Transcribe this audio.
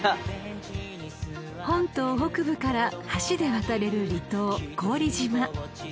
［本島北部から橋で渡れる離島古宇利島］